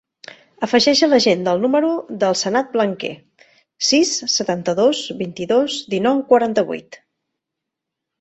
Afegeix a l'agenda el número del Sanad Blanquer: sis, setanta-dos, vint-i-dos, dinou, quaranta-vuit.